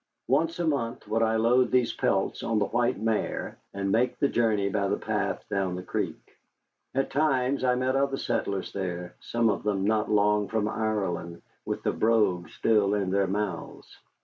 Once a month would I load these pelts on the white mare, and make the journey by the path down the creek. At times I met other settlers there, some of them not long from Ireland, with the brogue still in their mouths.